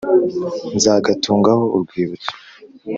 nzagatungaho urwibutso